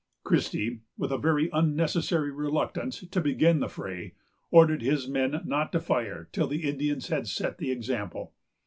Christie, with a very unnecessary reluctance to begin the fray, ordered his men not to fire till the Indians had set the example.